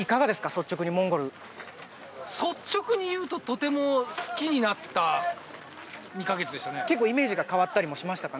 率直にモンゴル率直に言うととても好きになった２カ月でしたね結構イメージが変わったりもしましたか？